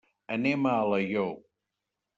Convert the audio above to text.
Anem a Alaior.